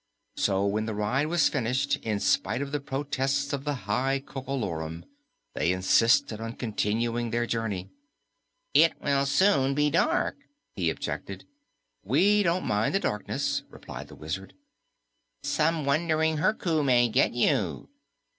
So when the ride was finished, in spite of the protests of the High Coco Lorum, they insisted on continuing their journey. "It will soon be dark," he objected. "We don't mind the darkness," replied the Wizard. "Some wandering Herku may get you."